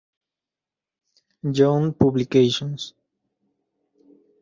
John Publications.